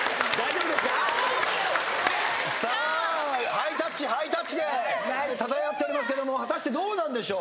ハイタッチハイタッチでたたえ合っておりますけど果たしてどうなんでしょう？